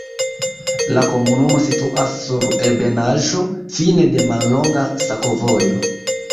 La komunumo situas sur ebenaĵo, fine de mallonga sakovojo.